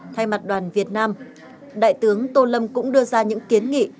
thay mặt đoàn việt nam đại tướng tô lâm cũng đưa ra những kiến nghị